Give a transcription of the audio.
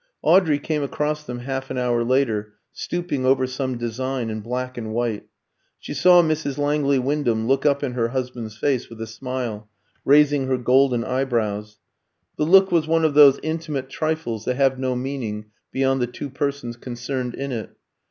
Audrey came across them half an hour later, stooping over some designs in black and white. She saw Mrs. Langley Wyndham look up in her husband's face with a smile, raising her golden eyebrows. The look was one of those intimate trifles that have no meaning beyond the two persons concerned in it.